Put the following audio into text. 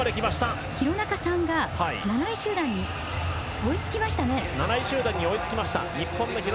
日本の廣中７位集団に追いつきました。